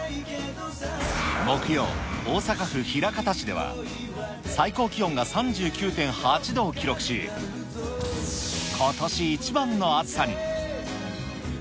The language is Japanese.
木曜、大阪府枚方市では最高気温が３９．８度を記録し、ことし一番の暑さに。